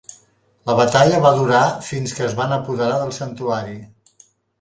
La batalla va durar fins que es van apoderar del santuari.